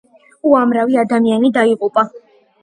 უამრავი ადამიანი დაიღუპა.